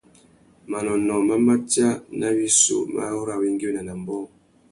Manônōh má matia nà wissú mà ru awéngüéwina nà ambōh.